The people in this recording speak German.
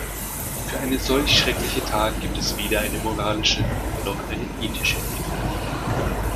Für eine solch schreckliche Tat gibt es weder eine moralische noch eine ethische Rechtfertigung.